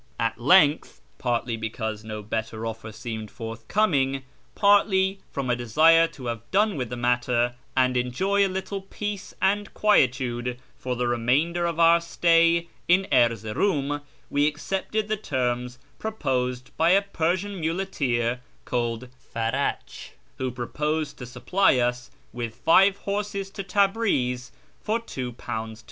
At length, partly because no better offer seemed forth coming, partly from a desire to have done with the matter and enjoy a little peace and quietude for the remainder of our stay in Erzeroum, we accepted the terms proposed by a Persian muleteer called Farach, who promised to supply us with five horses to Tabriz at £2 T.